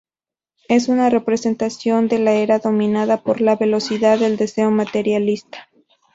Es una representación de la era dominada por la velocidad del deseo materialista.